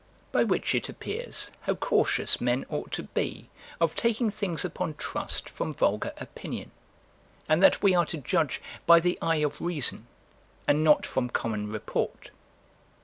By which it appears how cautious men ought to be of taking things upon trust from vulgar opinion, and that we are to judge by the eye of reason, and not from common report.